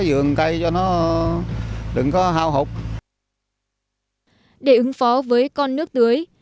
để ứng phó với con nước tưới